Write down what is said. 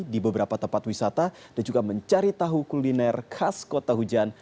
di beberapa tempat wisata dan juga mencari tahu kuliner khas kota hujan